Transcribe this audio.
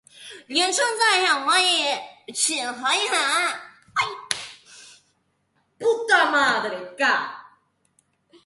林姓主婦的家務事